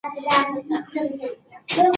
غرور د یووالي یوه پخوانۍ وسیله وه.